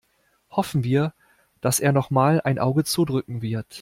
Hoffen wir, dass er noch mal ein Auge zudrücken wird.